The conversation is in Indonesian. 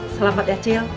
selamat ya cil